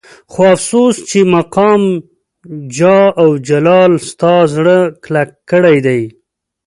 خو افسوس چې مقام جاه او جلال ستا زړه کلک کړی دی.